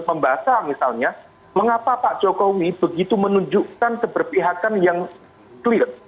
membaca misalnya mengapa pak jokowi begitu menunjukkan keberpihakan yang clear